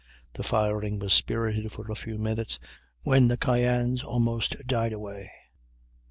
The firing was spirited for a few minutes, when the Cyane's almost died away.